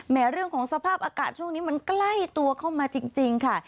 เรื่องของสภาพอากาศช่วงนี้มันใกล้ตัวเข้ามาจริงค่ะ